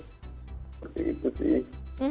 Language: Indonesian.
seperti itu sih